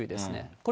これ、